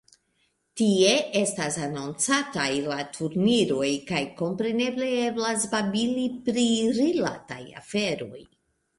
Tie estas anoncataj la turniroj, kaj kompreneble eblas babili pri rilataj aferoj.